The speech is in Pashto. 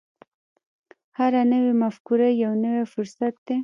هره نوې مفکوره یو نوی فرصت دی.